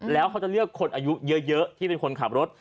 แล้วเขาจะเลือกคนอายุเยอะที่เป็นคนขับรถ